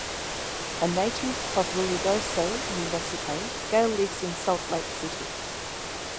A native of Ruidoso, New Mexico, Gale lives in Salt Lake City.